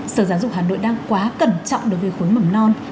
sở giáo dục hà nội đang quá cẩn trọng đối với khối mẩm non